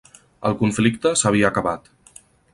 El conflicte s'havia acabat.